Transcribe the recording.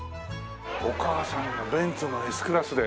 お母さんがベンツのＳクラスで。